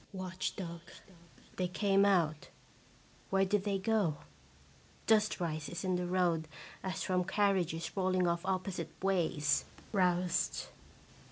Watch dog. They came out. Where did they go? Dust rises in the road as from car riages rolling off opposite ways. (Roused.)